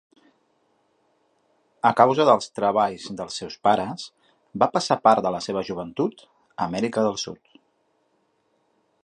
A causa dels treballs dels seus pares, va passar part de la seva joventut a Amèrica del Sud.